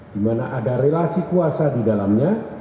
dimana ada relasi kuasa di dalamnya